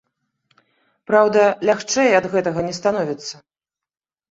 Праўда, лягчэй ад гэтага не становіцца.